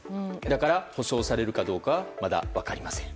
だから、補償されるかどうかまだ分かりません。